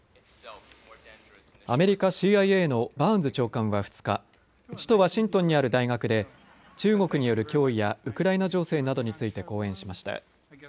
アメリカＣＩＡのバーンズ長官は２日、首都ワシントンにある大学で中国による脅威やウクライナ情勢などについて講演しました。